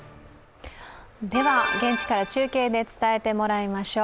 では、現地から中継で伝えてもらいましょう。